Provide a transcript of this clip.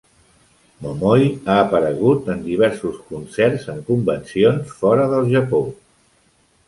Momoi ha aparegut en diversos concerts en convencions fora del Japó.